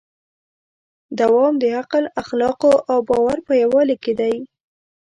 دوام د عقل، اخلاقو او باور په یووالي کې دی.